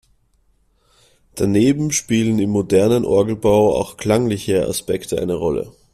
Daneben spielen im modernen Orgelbau auch klangliche Aspekte eine Rolle.